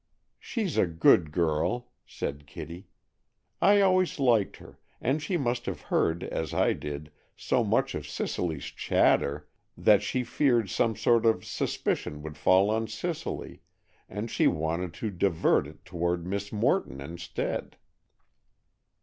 "She's a good girl," said Kitty. "I always liked her; and she must have heard, as I did, so much of Cicely's chatter, that she feared some sort of suspicion would fall on Cicely, and she wanted to divert it toward Miss Morton instead."